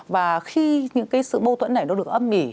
và khi những cái sự mâu thuẫn này nó được âm mỉ